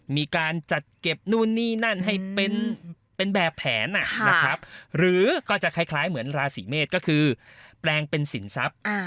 มีการจัดเก็บนู่นนี่นั่นให้เป็นแบบแผนนะครับหรือก็จะคล้ายเหมือนราศีเมษก็คือแปลงเป็นสินทรัพย์